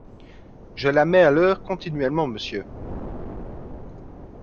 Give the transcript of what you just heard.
Je la mets à l’heure continuellement, monsieur.